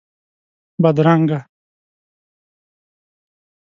بدرنګه